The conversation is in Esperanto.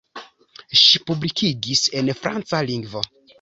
Ŝi publikigis en franca lingvo.